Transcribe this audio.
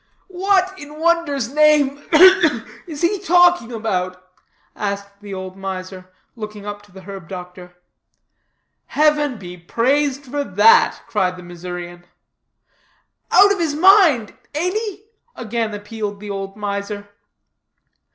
"What, in wonder's name ugh, ugh! is he talking about?" asked the old miser, looking up to the herb doctor. "Heaven be praised for that!" cried the Missourian. "Out of his mind, ain't he?" again appealed the old miser.